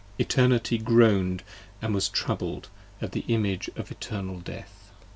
Eternity groan'd & was troubled, at the image of Eternal Death!